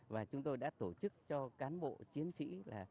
và chúng tôi đã tổ chức cho cán bộ chiến sĩ